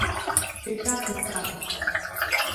Чӧчас луктам...